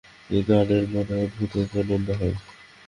এই গানে মনে অদ্ভুত এক আনন্দ হয়।